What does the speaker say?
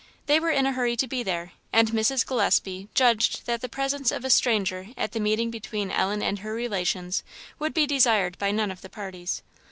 They were in a hurry to be there; and Mrs. Gillespie judged that the presence of a stranger at the meeting between Ellen and her relations would be desired by none of the parties.